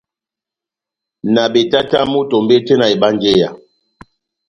Na betatamu tombete na ebanjeya.